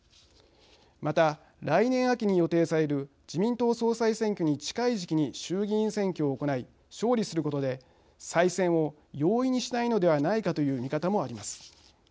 また、来年秋に予定される自民党総裁選挙に近い時期に衆議院選挙を行い勝利することで再選を容易にしたいのではないかという見方もあります。